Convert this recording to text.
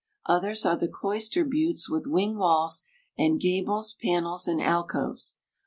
Others are the cloister buttes with wing walls and gables, panels and alcoves.